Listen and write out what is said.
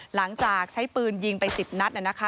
หลังจากใช้ปืนยิงไป๑๐นัดนะคะ